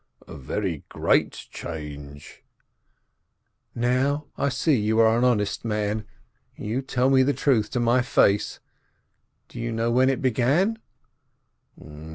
"A very great change " "Now I see you are an honest man, you tell me the truth to my face. Do you know when it began